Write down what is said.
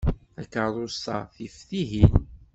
Takeṛṛust-a tif tihin.